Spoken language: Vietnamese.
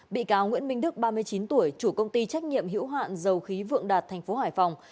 bị cáo nguyễn minh đức ba mươi chín tuổi chủ công ty trách nhiệm hiểu hạn dầu khí vượng đạt tp hải phòng